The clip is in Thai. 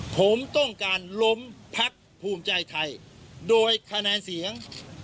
ผมต้องการล้มพักภูมิใจไทยโดยคะแนนเสียง